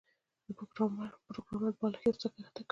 پروګرامر بالښت یو څه ښکته کړ